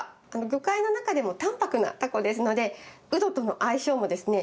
魚介の中でも淡泊なタコですのでウドとの相性もですね